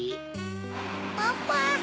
パパ！